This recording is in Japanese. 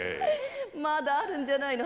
まだあるんじゃないの？